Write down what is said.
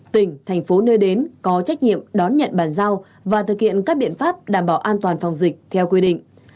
tỉnh thành phố nơi đến có trách nhiệm đón nhận bàn giao và thực hiện các biện pháp đảm bảo an toàn phòng dịch theo quy định